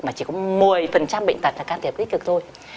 mà chỉ có một mươi bệnh tật là can thiệp tích cực thôi